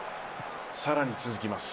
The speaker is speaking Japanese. さらに続きます。